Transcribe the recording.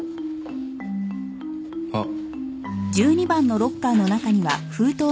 あっ。